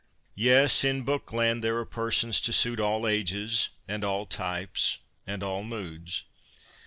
Yes, in Bookland there are persons to suit all ages, and all types, and all moods.